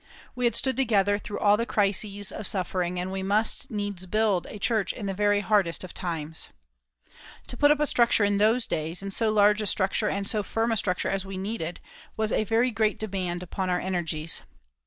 We had stood together through all the crises of suffering, and we must needs build a church in the very hardest of times. To put up a structure in those days, and so large a structure and so firm a structure as we needed, was a very great demand upon our energies.